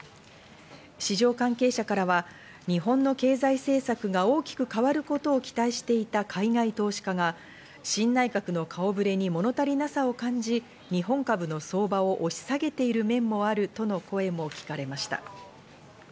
市場関係者からは日本の経済政策が大きく変わることを期待していた海外投資家が新内閣の顔触れに物足りなさを感じ、日本株の相場を押し下げている面もあるとの声も聞かれました。